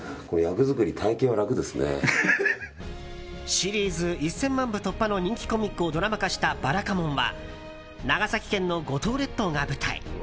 シリーズ１０００万部突破の人気コミックをドラマ化した「ばらかもん」は長崎県の五島列島が舞台。